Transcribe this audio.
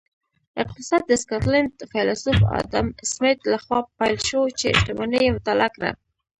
اقتصاد د سکاټلینډ فیلسوف ادم سمیت لخوا پیل شو چې شتمني یې مطالعه کړه